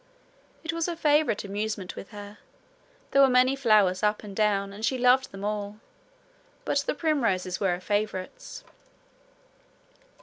It was a favourite amusement with her. There were many flowers up and down, and she loved them all, but the primroses were her favourites.